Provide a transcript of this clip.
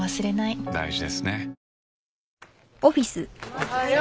おはよう。